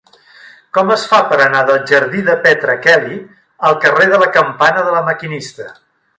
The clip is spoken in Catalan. Com es fa per anar del jardí de Petra Kelly al carrer de la Campana de La Maquinista?